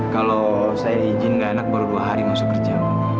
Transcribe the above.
kalau saya diijin gak enak baru dua hari masuk kerja